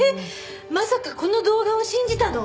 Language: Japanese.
まさかこの動画を信じたの？